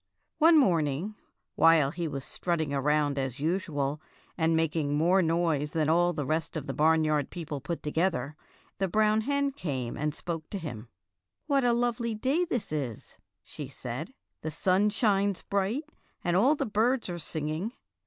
One morning, while he was strutting around as usual and making more noise than all the rest of the barnyard people put together, the brown hen came and spoke to him. ''What a lovely day this is," she said. "The sun shines bright, and all the birds are singing.